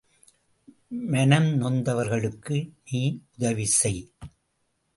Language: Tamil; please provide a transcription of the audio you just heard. மனம் நொந்தவர்களுக்கு நீ உதவி செய்.